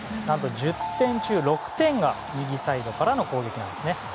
何と１０点中６点が右サイドからの攻撃なんですね。